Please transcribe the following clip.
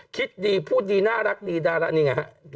คิดดีพูดดีน่ารักดีนี่ไงครับ